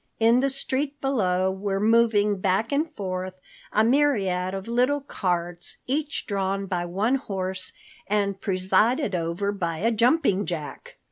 In the street below were moving back and forth a myriad of little carts, each drawn by one horse, and presided over by a jumping jack.